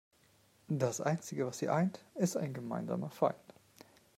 Das einzige, was sie eint, ist ein gemeinsamer Feind.